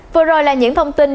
vừa rồi là những thông tin